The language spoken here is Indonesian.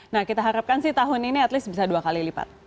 nah kita harapkan sih tahun ini at least bisa dua kali lipat